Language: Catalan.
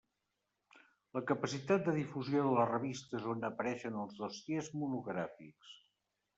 La capacitat de difusió de les revistes on apareixen els dossiers monogràfics.